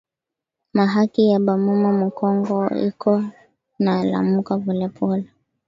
Ma haki ya ba mama mu kongo iko na lamuka pole pole